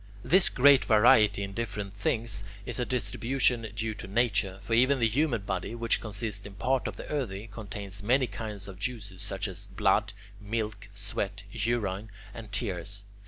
This great variety in different things is a distribution due to nature, for even the human body, which consists in part of the earthy, contains many kinds of juices, such as blood, milk, sweat, urine, and tears.